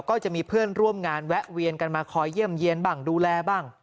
ก็จะมีเพื่อนร่วมงานแวะเวียนกันมาคอยเยี่ยมเยี่ยนบ้างดูแลบ้าง